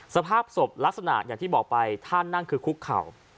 สภาพศพลักษณะอย่างที่บอกไปท่านั่งคือคุกเข่า